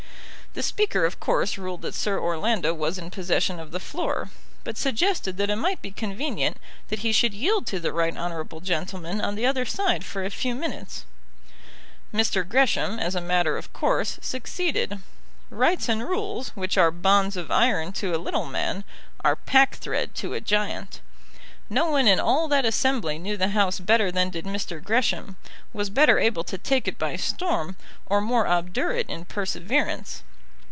The Speaker of course ruled that Sir Orlando was in possession of the floor, but suggested that it might be convenient that he should yield to the right honourable gentleman on the other side for a few minutes. Mr. Gresham, as a matter of course, succeeded. Rights and rules, which are bonds of iron to a little man, are packthread to a giant. No one in all that assembly knew the House better than did Mr. Gresham, was better able to take it by storm, or more obdurate in perseverance.